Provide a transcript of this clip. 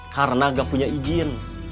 karena gak punya izin